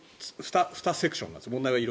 ２セクションなんです。